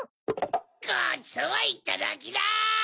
ごちそうはいただきだ！